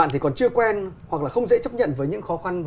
không quản ngại khó khăn